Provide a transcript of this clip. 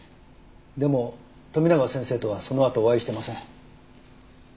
でも富永先生とはそのあとお会いしてません。